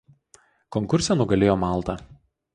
Konkurse nugalėjo Malta.